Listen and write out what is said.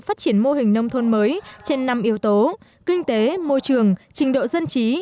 phát triển mô hình nông thôn mới trên năm yếu tố kinh tế môi trường trình độ dân trí